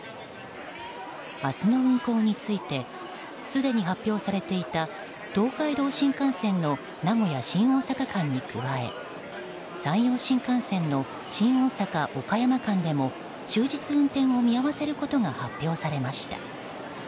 明日の運行についてすでに発表されていた東海道新幹線の名古屋新大阪間に加え山陽新幹線の新大阪岡山間でも終日、運転を見合わせることが発表されました。